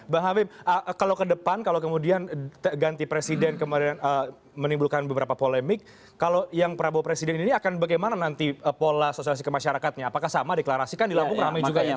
bang habib kalau ke depan kalau kemudian ganti presiden kemudian menimbulkan beberapa polemik kalau yang prabowo presiden ini akan bagaimana nanti pola sosialisasi ke masyarakatnya apakah sama deklarasi kan dilakukan rame juga ya